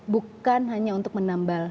bukan hanya untuk menambal